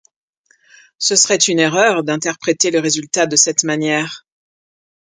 Ce serait une erreur d'interpréter le résultat de cette manière.